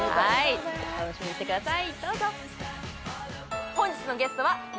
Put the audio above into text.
楽しみにしてください。